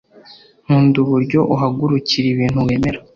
nkunda uburyo uhagurukira ibintu wemera